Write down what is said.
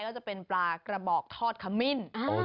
ก็จะเป็นปลากระบอกทอดขมิ้น